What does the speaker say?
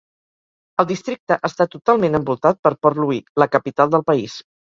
El districte està totalment envoltat per Port Louis, la capital del país.